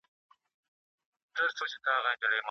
شاه محمود د افغانستان د تاریخ یو لوی اتل دی.